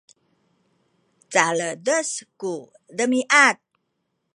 caledes ku demiad